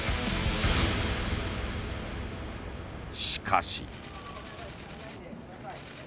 しかし。